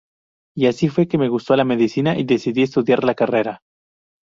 Y así fue que me gustó la medicina y decidí estudiar la carrera".